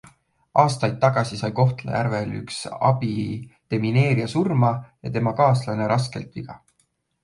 Aastaid tagasi sai Kohtla-Järvel üks abidemineerija surma ja tema kaaslane raskelt viga.